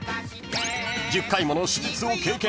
［１０回もの手術を経験］